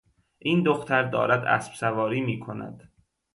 این دختر دارد اسب سواری می کند.